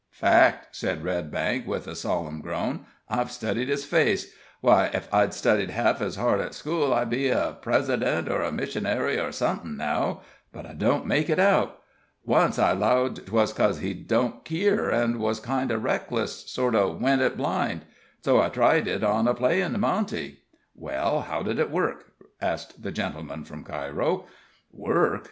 "Fact," said Redbank, with a solemn groan. "I've studied his face why, ef I'd studied half ez hard at school I'd be a president, or missionary, or somethin' now but I don't make it out. Once I 'llowed 'twas cos he didn't keer, an' was kind o' reckless sort o' went it blind. So I tried it on a playin' monte." "Well, how did it work?" asked the gentleman from Cairo. "Work?"